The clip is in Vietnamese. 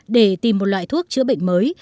để tìm một loại thuốc chữa bệnh mới